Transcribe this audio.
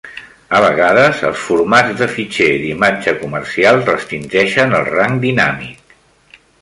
A vegades, els formats de fitxer d'imatge comercials restringeixen el rang dinàmic.